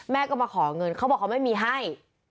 แม่ก็มาขอเงินเขาบอกเขาไม่มีให้